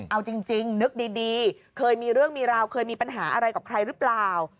เอาจริงนึกดีเคยมีเรื่องมีราวเคยมีปัญหาอะไรกับใครหรือเปล่า